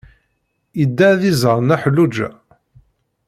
Yedda ad d-iẓer Nna Xelluǧa?